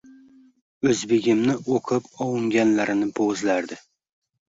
O’zbegimni o’qib, ovunganlarini, bo’zlardi.